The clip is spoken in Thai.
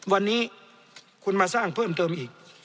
วันนี้คุณมาสร้างเพิ่มเติมอีก